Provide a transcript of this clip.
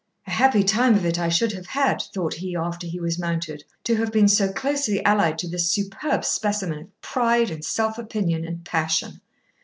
'A happy time of it I should have had,' thought he, after he was mounted, 'to have been so closely allied to this superb specimen of pride and self opinion and passion.